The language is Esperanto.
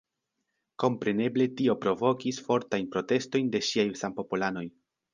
Kompreneble tio provokis fortajn protestojn de ŝiaj sampopolanoj.